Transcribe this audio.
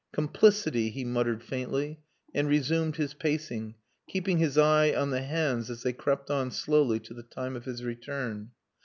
"Complicity," he muttered faintly, and resumed his pacing, keeping his eye on the hands as they crept on slowly to the time of his return.